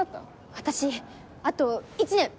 私あと１年！